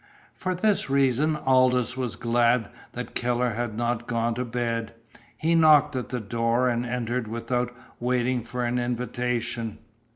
For this reason Aldous was glad that Keller had not gone to bed. He knocked at the door and entered without waiting for an invitation.